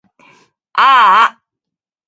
あーあ